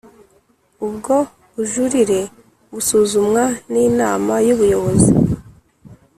Ubwo bujurire busuzumwa n Inama y Ubuyobozi